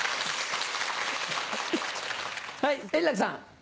はい円楽さん。